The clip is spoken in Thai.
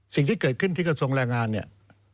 สิ่งที่เกิดขึ้นที่กระทรวงแรงงานเนี่ย